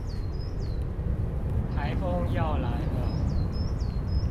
颱風要來了